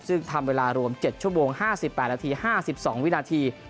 ซึ่งทำเวลารวม๗ชั่วโมง๕๘นาที๕๒วินาที